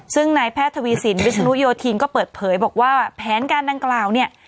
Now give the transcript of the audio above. ซึ่งนายแพทย์ทวีสินวิศนุโยธินก็เปิดเผยบอกว่าแผนการดังกล่าวเนี่ย